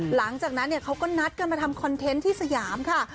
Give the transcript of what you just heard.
หลังจากนั้นเขาก็นัดกันมาทำคอนเทนต์ที่สยามค่ะ